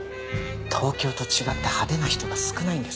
東京と違って派手な人が少ないんです。